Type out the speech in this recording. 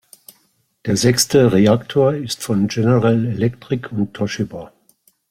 Der sechste Reaktor ist von General Electric und Toshiba.